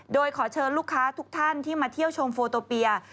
โดยขอเชิญลูกค้าทุกท่านที่มาเที่ยวชมโฟโตเปีย